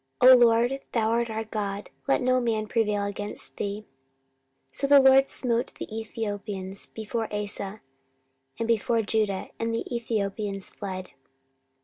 O LORD, thou art our God; let no man prevail against thee. 14:014:012 So the LORD smote the Ethiopians before Asa, and before Judah; and the Ethiopians fled.